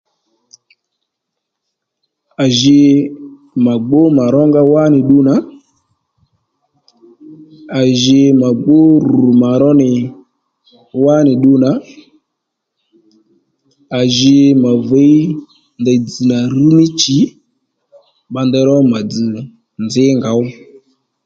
À jì ma gbú mà rónga wá nì ddu nà à jì mà gbú ru mà ró nì wá nì ddu nà à jì mà viy ndèy dzz̀ nà rř ní shì bba ndey ró mà dzz̀ nì nzǐ ngow